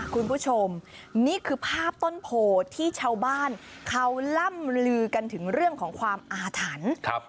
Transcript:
คุณผู้ชมนี่คือภาพต้นโพที่ชาวบ้านเขาล่ำลือกันถึงเรื่องของความอาถรรพ์